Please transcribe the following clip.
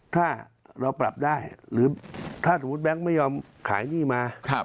ถ้าเราปรับได้หรือถ้าสมมุติแบงค์ไม่ยอมขายหนี้มา